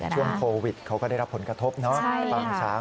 ช่วงโควิดเขาก็ได้รับผลกระทบนะปางช้าง